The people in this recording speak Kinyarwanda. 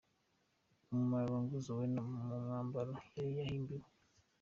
Umumararungu Zouena mu mwambaro yari yihimbiye.